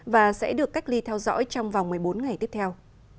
và sẽ được cách ly theo dõi trong vòng một mươi bốn ngày tiếp theo